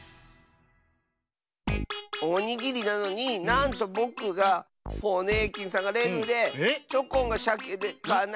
おにぎりなのになんとぼくがホネーキンさんがレグでチョコンがシャケでかなしかったよ。